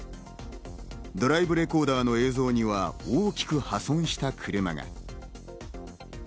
ドライブレコーダーの映像には大きく破損した車が。